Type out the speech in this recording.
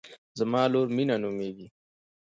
زما لور مینه نومیږي